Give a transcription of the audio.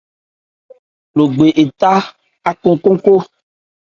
Logbe étha ácɔn nkhónkhó.